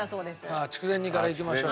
ああ筑前煮からいきましょう。